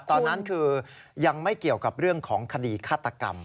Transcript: ตอนนั้นคือยังไม่เกี่ยวกับเรื่องของคดีฆาตกรรม